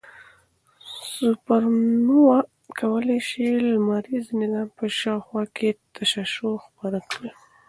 سوپرنووا کولای شي د لمریز نظام په شاوخوا کې تشعشع خپره کړي.